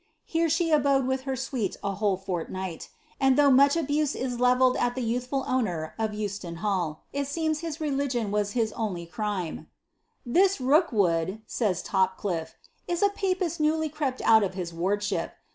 Here she abode with her suite a whole fortnight; and though much abuse is levelled at the youth ful owner of Euston Hall, it seems his religion was his only crime, "This Rookwood," says Topclifle, "is a papist newly crept out of his wardship.